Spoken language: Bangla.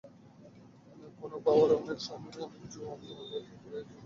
পলো বাওয়ার সময় অনেক জোয়ান মরদও হারিয়ে যেত বিলের গভীর জলে।